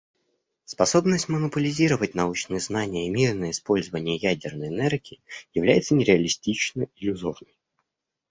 Способность монополизировать научные знания и мирное использование ядерной энергии является нереалистично иллюзорной.